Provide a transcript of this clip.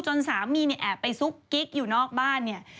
สามีเนี่ยแอบไปซุกกิ๊กอยู่นอกบ้านเนี่ย